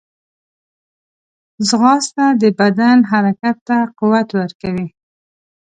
ځغاسته د بدن حرکت ته قوت ورکوي